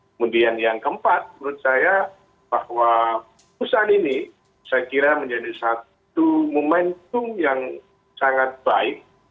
kemudian yang keempat menurut saya bahwa perusahaan ini saya kira menjadi satu momentum yang sangat baik